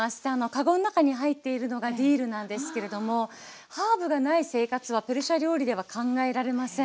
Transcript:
かごの中に入っているのがディルなんですけれどもハーブがない生活はペルシャ料理では考えられません。